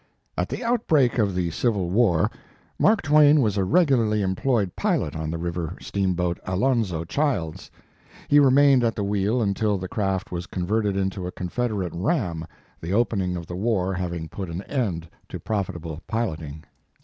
At the outbreak of the Civil War, Mark Twain was a regularly employed pilot on the river steamboat Alonzo Childs. He remained at the wheel until the craft was converted into a Confederate ram, the opening of the war having put an end to profitable piloting.